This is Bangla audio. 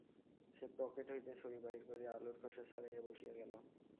সে পকেট হইতে ছুরি বাহির করিয়া আলুর খোসা ছাড়াইতে বসিয়া গেল।